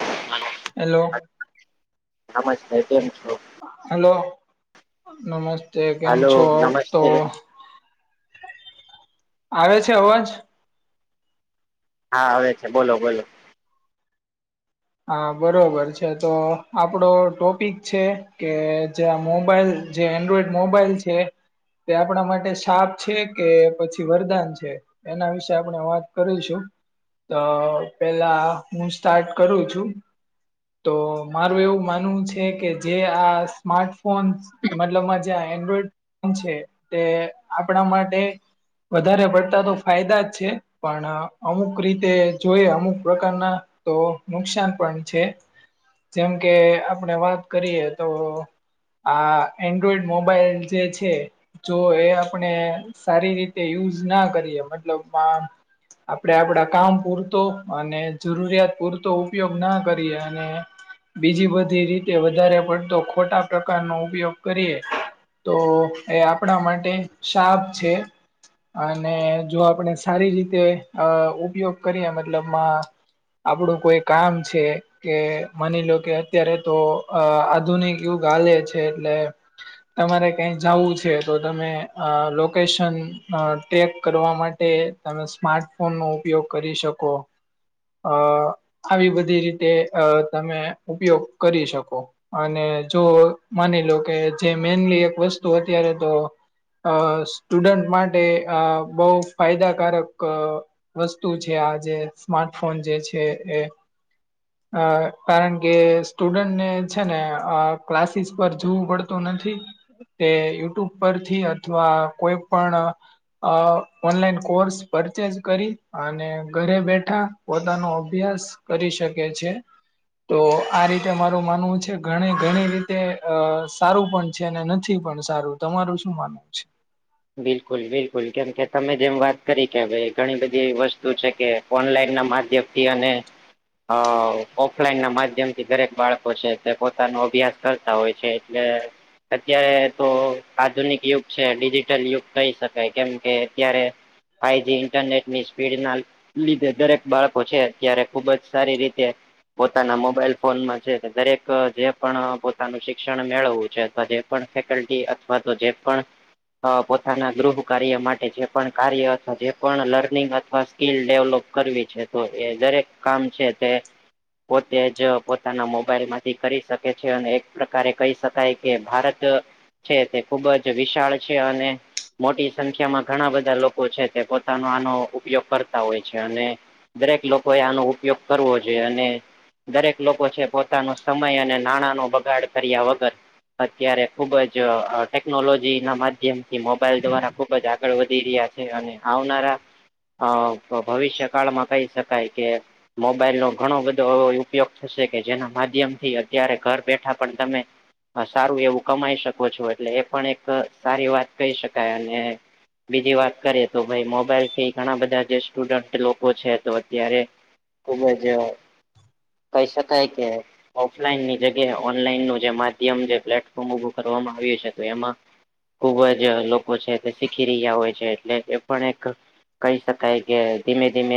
મ હેલો. આમજ થ હેલો, નમસ્તે કેમ હાલો છો નમસ્તે તમે? આવે છે અવાજ? હવે બોલો, બોલો. હા છે, તો આપડો છે. કે, જે મોબાઈલ જે એન્ડ્રોઈડ મોબાઈલ છે. તે આપણા માટે સાપ છે કે, પછી વરદાન છે. એના વિશે આપણે વાત કરીશું તો, પેલા હું સ્ટાર્ટ કરું છું. તો મારું એવું માનવું છે કે, જે આ સ્માર્ટફોન મતલબ જે એન્ડ્રોઈડ ફ છે, તે આપણા માટે વધારે પડતા તો ફાયદા જ છે, પણ અમુક રીતે જોઈએ અમુક પ્રકારના તો નુકસાન પણ છે. જેમ કે આપણે વાત કરીએ તો. આ એન્ડ્રોઈડ મોબાઈલ જે છે. જો એ આપણે સારી રીતે યુઝ ના કરીએ મતલબમાં આપડે આપડા કામ પૂરતો અને જરૂરિયાત પૂરતો ઉપયોગ ના કરીએ. ને બીજી બધી રીતે વધારે પડતો ખોટા પ્રકારનો ઉપયોગ કરીએ. તો એ આપણા માટે સાપ છે. અને જો આપણે સારી રીતે અ ઉપયોગ કરીએ મતલબમાં આપણું કોઈ કામ છે. કે માની લો કે અત્યારે તો અ આધુનિક યુગ હાલે છે, એટલે તમારે ક્યાંક કઈ જાવું છે તો તમે અ લોકેશન ટેક કરવા માટે તમે સ્માર્ટફોનનો ઉપયોગ કરી શકો. અ આવી બધી રીતે અ તમે ઉપયોગ કરી શકો. અને જો માની લો કે જે મેનલી એક વસ્તુ અત્યારે તો. અ સ્ટુડન્ટ માટે આ બહુ ફાયદાકારક વસ્તુ છે આ જે સ્માર્ટફોન જે છે એ અ કારણ કે સ્ટુડન્ટને છે ને અ ક્લાસીસ પર જવું પડતું નથી. તે યુટ્યુબ પરથી અથવા કોઈ પણ અ ઓનલાઈન કોર્સ પરચેજ કરી અને ઘરે બેઠા પોતાનો અભ્યાસ કરી શકે છે. તો આ રીતે મારું માનવું છે ઘણી ઘણી રીતે અ સારું પણ છે ને નથી પણ સારું. તમારું શું માનવું છે? બિલકુલ બિલકુલ. કેમ કે તમે જેમ વાત કરી કે ભાઈ ઘણી બધી એવી વસ્તુ છે, કે ઓનલાઈનના માધ્યમથી અને હા ઓફલાઈનના માધ્યમથી દરેક બાળકો છે, તે પોતાનો અભ્યાસ કરતા હોય છે, એટલે અત્યારે તો આધુનિક યુગ છે. ડીજી ટલ યુગ કહી શકાય. કેમ કે અત્યારે ફાઈજી ઇન્ટરનેટની સ્પીડના લીધે દરેક બાળકો છે, અત્યારે ખુબ જ સારી રીતે પોતાના મોબાઈલ ફોનમાં છે, તે દરેક જે પણ પોતાનું શિક્ષણ મેળવવું છે. પણ ફેકલ્ટી અથવા તો જે પણ અ પોતાના ગૃહ કાર્ય માટે જે પણ કાર્ય અથવા જે પણ લર્નિંગ અથવા સ્કિલ ડેવલોપ કરવી છે, તો એ દરેક કામ છે, તે પોતે જ પોતાના મોબાઈલમાંથી કરી શકે છે, અને એક પ્રકારે કહી શક કાય કે ભારત છે તે ખુબ જ વિશાળ છે, અને મોટી સંખ્યામાં ઘણા બધા લોકો છે, તે પોતાનો આનો ઉપયોગ કરતા હોય છે, અને દરેક લોકોએ આનો ઉપયોગ કરવો જોઈએ અને દરેક લોકો છે, પોતાનો સમય અને નાણાંનો બગાડ કર્યા વગર અત્યારે ખુબ જ ટેકનોલોજીના માધ્ ધ્યમથી મોબાઈલ દ્વારા ખુબ જ આગળ વધી રહ્યા છે, અને આવનારા અ ભવિષ્યકાળમાં કહી શકાય કે મોબાઈલનો ઘણો બધો ઉપયોગ થશે કે જેના માધ્યમથી અત્યારે ઘર બેઠા પણ તમે હ સારું એવું કમાઈ શકો છો. એટલે એ પણ એક સારી વાત કહી શકાય અને બીજી વાત કરીએ તો ભાઈ મોબાઈલથી ઘણા બધા જે સ્ટુડન્ટ લોકો છે, તો અત્યારે ખૂબ જ કહી શકાય કે ઓફલાઈનની જગ્યાએ ઓનલાઈનનું જે માધ્યમ જે પ્લેટફોર્મ ઉભું કરવામાં આવ્યું છે, તો એમાં ખુબ જ લોકો છે, તે શીખી રહ્યા હોય છે, એટલે એ પણ એક કહી શકાય કે ધીમે ધીમે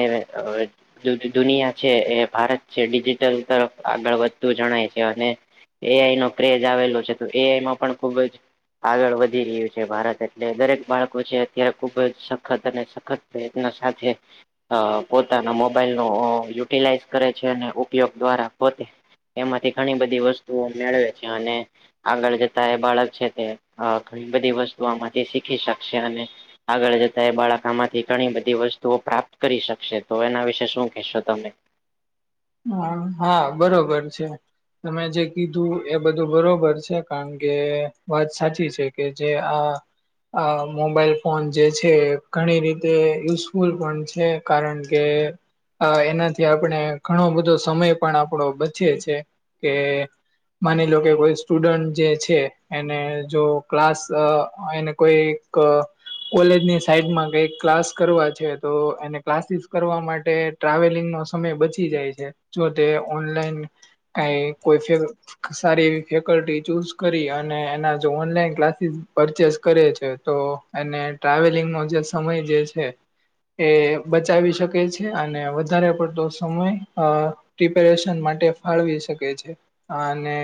દુનિયા છે એ ભારત છે ડિજિટલ તરફ આગળ વધતું જણાય છે અને એ આઈ નો ક્રેજ આવેલો છે તો એ આઈ માં પણ ખુબ જ આગળ વધ વધી રહ્યું છે ભારત એટલે દરેક બાળકો છે અત્યારે ખુબ જ સખત અને સખત પ્રયત્ન સાથે અ પોતાના મોબાઈલ નો યુટિલાઈઝ કરે છે અને ઉપયોગ દ્વારા પોતે એમાંથી ઘણી બધી વસ્તુઓ મેળવે છે અને આગળ જતા એ બાળક છે તે ઘણી બધી વસ્તુ આમાંથી શીખી શકશે અને આગળ જતા એ બાળકામાંથી ઘણી બધી વસ્તુઓ પ્રાપ્ત કરી શકશે તો એના વિશે શું કહેશો તમે? હ હા બરોબર છે. તમે જે કીધું એ બધું બરોબર છે કારણ કે વાત સાચી છે કે જે આ આ મોબાઈલ ફોન જે છે ઘણી રીતે [unintelligible] છે કારણ કે આ એનાથી આપણે ઘણો બધો સમય પણ આપણો બચએ છે કે માની લો કે કોઈ સ્ટુડન્ટ જે છે એને જો ક્લાસ અ એને કોઈ ક કોલેજની સાઈડમાં કઈક ક્લાસ કરવા છે તો એને ક્લાસીસ કરવા માટે ટ્રાવેલિંગ નો સમય બચી જાય છે, જો તે ઓનલાઈન કઈ સારી એવી ફેકલ્ટી ચૂઝ કરી અને એના જો ઓનલાઈન ક્લાસીસ પરચેસ કરે છે તો એને ટ્રાવેલિંગ નો જે સમય જે છે. એ બચાવી શકે છે અને વધારે પડતો સમય અ પ્રિપેરેશન માટે ફાળવી શકે છે અને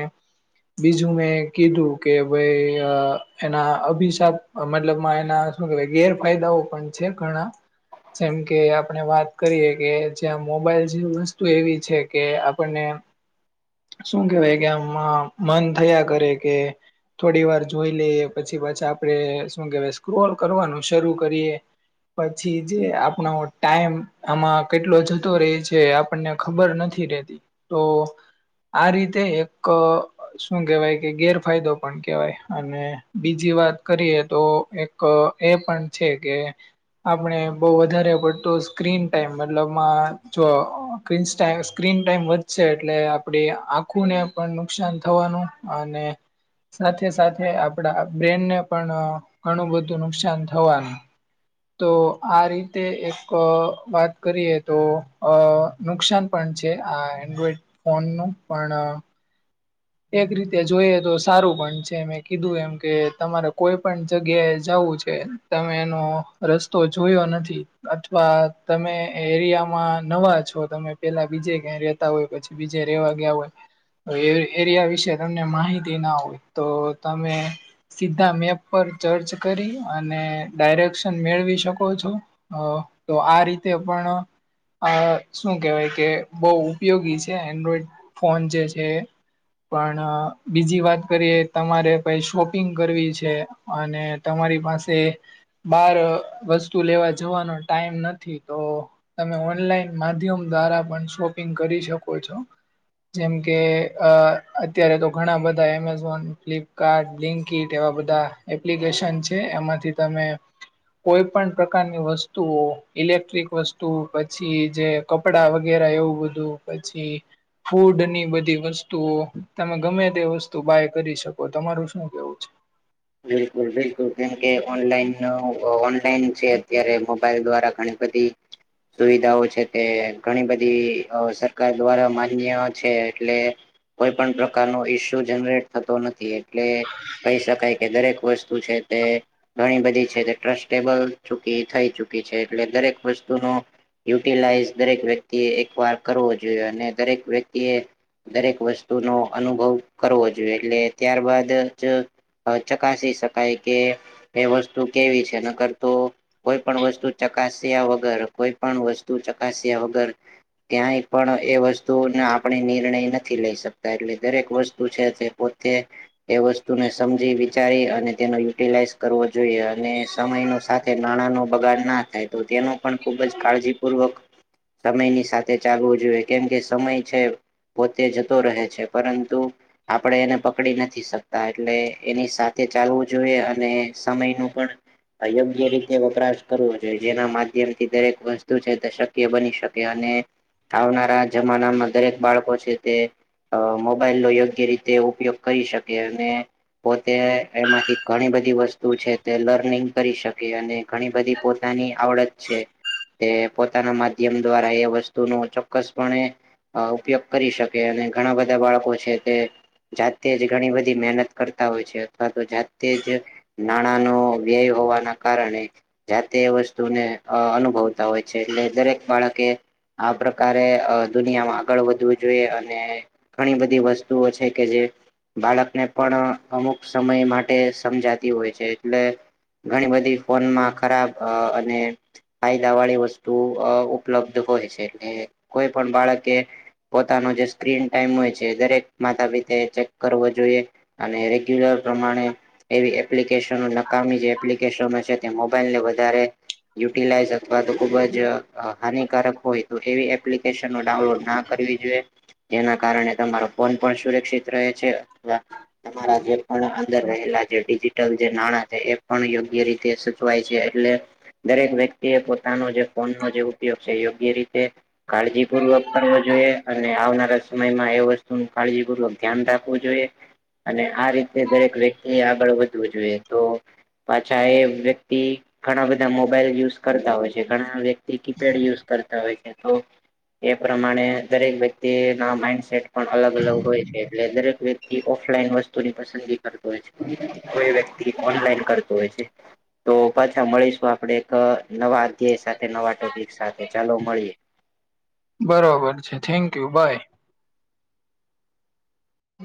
બીજું મેં કીધું કે ભાઈ અ એના અભિશાપ મતલબમાં એના શું કેહેવાય ગેરફાયદાઓ પણ છે ઘણા. જેમ કે આપણે વાત કરીએ કે મોબાઈલ જેવી વસ્તુ એવી છે કે આપણને શું કેવાય કેમમાં મન થયા કરે કે થોડી વાર જોઈ લઈએ પછી પાછી આપડે શું કેવાય સ્ક્રોલ કરવાનું શરૂ કરીએ. પછી જે આપણો ટાઈમ આમાં કેટલો જતો ર જે આપણને ખબર નથી રહેતી તો આ રીતે એક શું કેવાય કે ગેરફાયદો પણ કેવાય અને બીજી વાત કરીએ તો ક એ પણ છે કે આપણે બહુ વધારે પડતું સ્ક્રીન ટાઈમ મતલબમાં જો સ્કીન ટાઇમ સ્ક્રીન ટાઈમ વધશે એટલે આપણી આંખુંને પણ નુકસાન થવાનું અને સાથે સાથે આપડા બ્રેનને પણ ઘણું બધું નુકસાન થવાનું. તો આ રીતે એક વાત કરીએ તો અ નુકસાન પણ છે આ એન્ડ્રોઈડ ફોનનું પણ એક રીતે જોઈએ તો સારું પણ મેં કીધું એમ તમારે કોઈ પણ જગ્યાએ જવું છે. તમે એનો રસ્તો જોયો નથી અથવા તમે એરિયામાં નવા છો તમે. પેલા બીજે ક્યાં રેતા હોય પછી બીજે રવા ગયા હોય એવી એરિયા વિશે તમને માહિતી ના હોય તો તમે સીધા મેપ પર ચર્ચ કરી અને ડાયરેક્શન મેળવી શકો છો. હ તો આ રીતે પણ આ શું કેવાય કે બહુ ઉપયોગી છે એન્ડ્રોઈડ ફોન જે છે. પણ બીજી વાત કરીએ તમારે પાઈ શોપિંગ કરવી છે. અને તમારી પાસે બાર વસ્તુ લેવા જવાનો ટાઈમ નથી તો તમે ઓનલાઈન માધ્યમ દ્વારા પણ શોપિંગ કરી શકો છો. જેમ કે અ અત્યારે તો ઘણા બધા એમેઝોન, ફ્લિપકાર્ટ, લિંકીટ એવા બધા એપ્લિકેશન છે એમાંથી તમે કોઈ પણ પ્રકારની વસ્તુઓ ઇલેક્ટ્રિક વસ્તુ પછી જે કપડા વગેરે એવું બધું પછી ફૂડની બધી વસ્તુઓ તમે ગમે તે વસ્તુ બાય કરી શકો તમારું શું કેવું? છે બિલકુલ બિલકુલ કેમકે ઓનલાઈન ઓનલાઈન છે અત્યારે મોબાઈલ દ્વારા ઘણી બધી સુવિધાઓ છે તે ઘણી બધી સરકાર દ્વારા માન્ય છે એટલે કોઈ પણ પ્રકાર નો ઈસ્યુ જનરેટ થતો નથી એટલે કહી શકાય કે દરેક વસ્તુ છે તે ઘણી બધી છે તે ટ્રસ્ટેબલ ચુકી થઈ ચુકી છે એટલે દરેક વસ્તુ નો યુટિલાઈઝ દરેક વ્યક્તિએ એક વાર કરવો જોઈએ અને દરેક વ્યક્તિએ દરેક વસ્તુનો અનુભવ કરવો જોઈએ એટલે ત્યારબાદ જ ચકાસી શકાય કે એ વસ્તુ કેવી છે ન કર તો કોઈ પણ વસ્તુ ચકાસ્યા વગર, કોઈ પણ વસ્તુ ચકાસ્યા વગર ક્યાંય પણ એ વસ્તુને આપણે નિર્ણય નથી લઈ શકતા એટલે દરેક વસ્તુ છે તે પોતે એ વસ્તુ ને સમજી વિચારી અને તેનો યુટિલાઈઝ કરવો જોઈએ અને સમયનો સાથે નાણાંનો બગાડ ના થાય. તો તેનું પણ ખુબ જ કાળજીપૂર્વક સમયની સાથે ચાલવું જોઈએ કેમ કે સમય છે પોતે જતો રહે છે, પરંતુ આપડે એને પકડી નથી શકતા. એટલે એની સાથે ચાલવું જોઈએ અને સમય નું પણ અયોગ્ય રીતે વપરાશ કરવું જોઈએ. જેના માધ્યમથી દરેક વસ્તુ છે તે શક્ય બની શકે અને આવનારા જમાનામાં દરેક બાળકો છે તે અ મોબાઈલ નો યોગ્ય રીતે ઉપયોગ કરી શકે અને પોતે એમાંથી ઘણી બધી વસ્તુ છે તે લર્નિંગ કરી શકે અને ઘણી બધી પોતાની આવડત છે તે પોતાના માધ્યમ દ્વારા એ વસ્તુ ન ચોક્કસપણે અ ઉપયોગ કરી શકે અને ઘણા બધા બાળકો છે તે જાતે જ ઘણી બધી મહેનત કરતા હોય છે અથવા તો જાતે જ નાણાંનો વ્યય હોવાના કારણે જાતે એ વસ્તુને અનુભવતા હોય છે એટલે દરેક બાળકે આ પ્રકારે દુનિયામાં આગળ વધવું જોઈએ અને ઘણી બધી વસ્તુઓ છે કે જે બાળકને પણ અમુક સમય માટે સમજાતી હોય છે એટલે ઘણી બધી ફોનમાં ખરાબ અ અને ફાયદા વાળી વસ્તુ અ ઉપલબ્ધ હોય છે એટલે કોઈ પણ બાળકે પોતાનો જે સ્ક્રીન ટાઈમ હોય છે દરેક માતા પિતા એ ચેક કરવો જોઈએ. અને રેગ્યુલર પ્રમાણે એવી એપ્લિકેશનો નકામી જે એપ્લિકેશનો છે તે મોબાઈલને વધારે યુટલાઈઝ અથવા તો ખુબ જ હાનિકારક તો એવી એપ્લિકેશનો ડાઉનલોડ ના કરવી જોઈએ જેના કારણે તમારો ફોન પણ સુરક્ષિત રહે છે અવા તમારા જે પણ અંદર રહેલા જે ડિજિટલ જે નાણાં છે એ પણ યોગ્ય રીતે સચવાય છે એટલે દરેક વ્યક્તિ એ પોતાનું જ ફોન નો જે ઉપયોગ છે યોગ્ય રીતે કાળજીપૂર્વક કરવો જોઈએ. અને આવનારા સમયમાં એ વસ્તુ નું કાળજીપૂર્વક ધ્યાન રાખવું જોઈએ. અને આ રીતે દરેક વ્યક્તિ આગળ વધવું જોઈએ તો પાછા એ વ્યક્તિ ઘણા બધા મોબાઈલ યુઝ કરતા હોય છે, ઘણા વ્યક્તિ કીપેડ યુઝ કરતા હોય છે, તો એ પ્રમાણે દરેક વ્યક્તિ ના માઈન્ડસેટ પણ અલગ અલગ હોય છે એટલે દરેક વ્યક્તિ ઓફલાઈન વસ્તુની પસંદગી કરતો હોય છે. કોઈ વ્યક્તિ ઓનલાઈન કરતો હોય છે. તો પાછા મળીશું આપડે એક અ નવા અધ્યાય સાથે નવા ટોપિક સાથે ચાલો મળીએ. બરોબર છે, થેન્ક યુ, બાય.